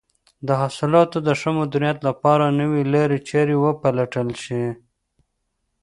د حاصلاتو د ښه مدیریت لپاره نوې لارې چارې وپلټل شي.